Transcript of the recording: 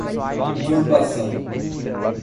turbação